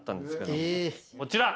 こちら。